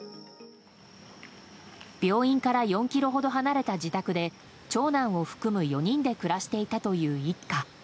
病院から４ｋｍほど離れた自宅で長男を含む４人で暮らしていたという一家。